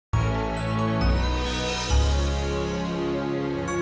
mama udah lewat semuanya